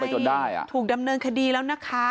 มันแอบเข้าไปถูกดำเนินคดีแล้วนะคะ